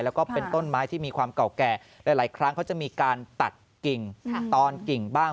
แล้วก็เป็นต้นไม้ที่มีความเก่าแก่หลายครั้งเขาจะมีการตัดกิ่งตอนกิ่งบ้าง